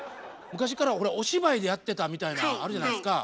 昔からお芝居でやってたみたいなんあるじゃないですか。